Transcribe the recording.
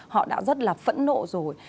họ đã rất là phẫn nộ rồi